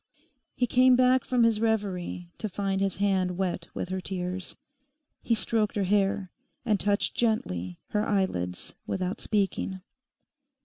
He came back from his reverie to find his hand wet with her tears. He stroked her hair, and touched gently her eyelids without speaking.